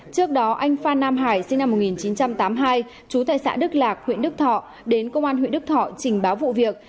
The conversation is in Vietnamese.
trước đó anh phan nam hải sinh năm một nghìn chín trăm tám mươi hai trú tại xã đức lạc huyện đức thọ đến công an huyện đức thọ trình báo vụ việc